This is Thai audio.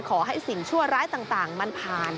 ขอให้สิ่งชั่วร้ายต่างมันผ่าน